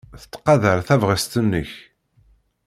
Tettqadar tabɣest-nnek.